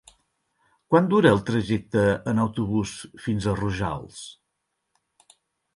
Quant dura el trajecte en autobús fins a Rojals?